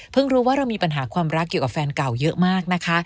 รู้ว่าเรามีปัญหาความรักเกี่ยวกับแฟนเก่าเยอะมากนะคะ